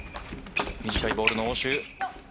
短いボールの応酬。